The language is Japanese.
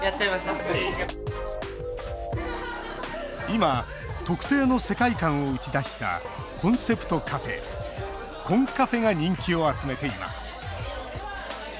今、特定の世界観を打ち出したコンセプトカフェ「コンカフェ」が人気を集めています。